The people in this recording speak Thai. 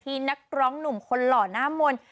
นักร้องหนุ่มคนหล่อหน้ามนต์